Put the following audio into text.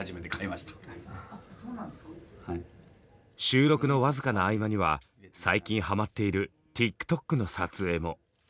収録の僅かな合間には最近ハマっているＴｉｋＴｏｋの撮影も。